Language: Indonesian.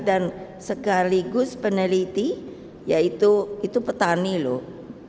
dan sekaligus peneliti yaitu petani loh